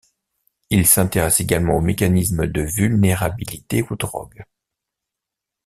Il s'intéresse également au mécanisme de vulnérabilité aux drogues.